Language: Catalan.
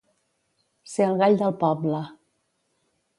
Ser el gall del poble.